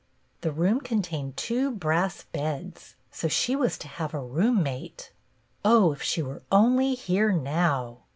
The room contained two brass beds, so she was to have a roommate ! Oh, if she were only here now